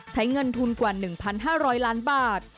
ใช้เงินทุนกว่า๑๕๐๐ล้านบาท